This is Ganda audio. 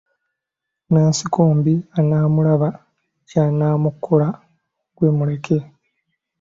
Nansikombi anaamulaba ky'anamukola gwe muleke.